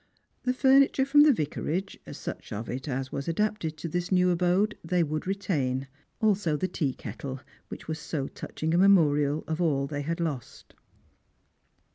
The furniture from the Vicarage, such of it as was adaj>ted to this new abode, they would retain ; also the tea kettle, which was so touching a memorial of all they had lost.